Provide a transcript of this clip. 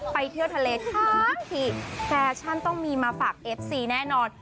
เที่ยวทะเลทั้งทีแฟชั่นต้องมีมาฝากเอฟซีแน่นอน